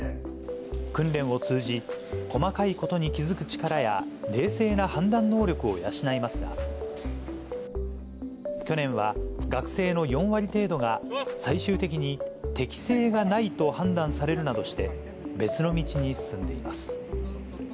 訓練を通じ、細かいことに気付く力や冷静な判断能力を養いますが、去年は、学生の４割程度が、最終的に適性がないと判断されるなどして、別の道に進んでいます。